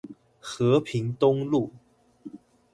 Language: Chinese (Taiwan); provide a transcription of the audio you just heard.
和平東路